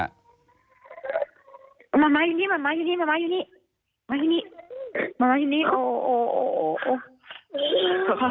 มาม้าอยู่นี่มาม้าอยู่นี่มาม้าอยู่นี่มาม้าอยู่นี่มาม้าอยู่นี่โอโอโอโอ